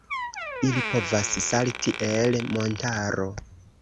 Ili povas salti el montaro.